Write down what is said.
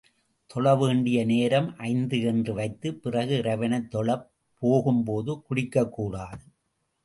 தொழ வேண்டிய நேரம் ஐந்து என்று வைத்து, பிறகு, இறைவனைத் தொழப் போகும் போது குடிக்கக் கூடாது.